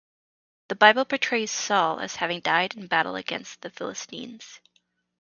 The Bible portrays Saul as having died in battle against the Philistines.